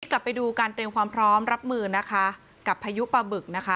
กลับไปดูการเตรียมความพร้อมรับมือกับพายุปะบึก